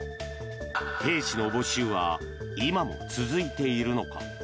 兵士の募集は今も続いているのか。